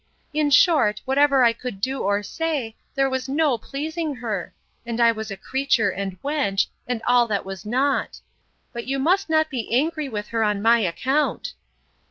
In short, whatever I could do or say, there was no pleasing her; and I was a creature and wench, and all that was naught. But you must not be angry with her on my account.